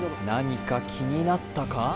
何か気になったか？